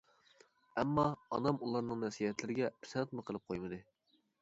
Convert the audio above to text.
ئەمما، ئانام ئۇلارنىڭ نەسىھەتلىرىگە پىسەنتمۇ قىلىپ قويمىدى.